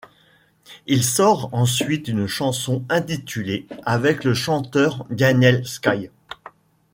Il sort ensuite une chanson intitulé ' avec le chanteur Daniel Skye.